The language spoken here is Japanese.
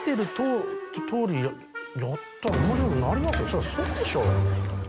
そりゃそうでしょう。